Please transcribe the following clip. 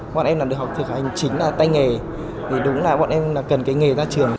bọn em là được học thực hành chính là tay nghề thì đúng là bọn em cần cái nghề ra trường